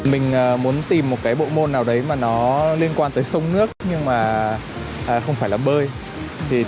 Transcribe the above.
mình muốn tìm một cái bộ môn nào đấy mà nó liên quan tới sông nước nhưng mà không phải là bơi